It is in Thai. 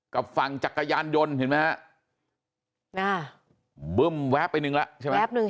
กับฝั่งจักรยานยนต์เห็นไหมฮะบึ้มแว๊บไปหนึ่งล่ะแว๊บหนึ่ง